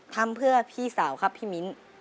ทำเพื่อพี่สาวครับพี่มิ้น